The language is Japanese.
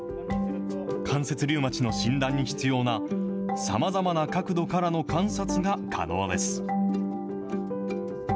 関節リウマチの診断に必要な、さまざまな角度からの観察が可能です。